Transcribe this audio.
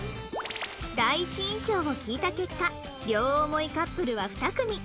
第一印象を聞いた結果両思いカップルは２組